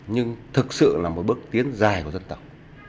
nhưng thực sự là một bước tiến dài của dân tộc